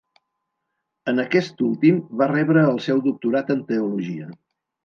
En aquest últim va rebre el seu doctorat en teologia.